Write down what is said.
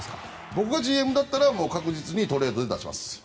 僕がＧＭだったら確実にトレードで出します。